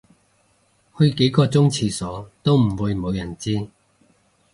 去幾個鐘廁所都唔會無人知